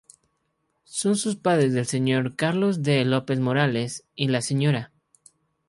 Son sus padres el Sr. Carlos D. López Morales y la Sra.